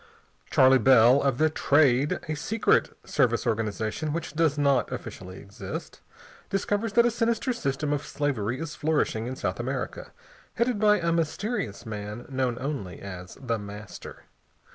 ] Charley Bell of the "Trade" a secret service organization which does not officially exist discovers that a sinister system of slavery is flourishing in South America, headed by a mysterious man known only as The Master.